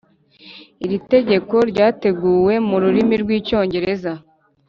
Iri tegeko ryateguwe mu rurimi rw icyongereza